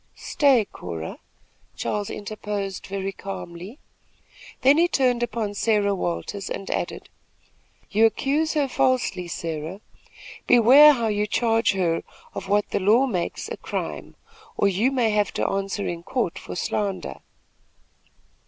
"Stay, Cora!" Charles interposed, very calmly. Then he turned upon Sarah Williams, and added: "You accuse her falsely, Sarah. Beware how you charge her of what the law makes a crime, or you may have to answer in a court for slander."